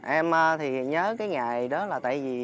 em thì nhớ cái ngày đó là tại vì